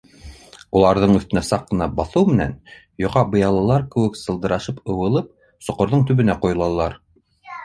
Уларҙың өҫтөнә саҡ ҡына баҫыу менән, йоҡа быялалар кеүек сылдырашып ыуалып, соҡорҙоң төбөнә ҡойолалар.